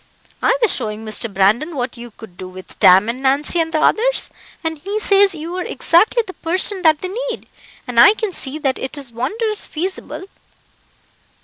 I was showing Mr. Brandon what you could do with Tam and Nancy and the others, and he says you are exactly the person that they need; and I can see that it is wondrous feasible."